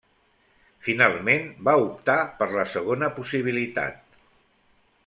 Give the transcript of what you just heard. Finalment va optar per la segona possibilitat.